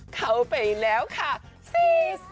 เขาไปแล้วค่ะซิส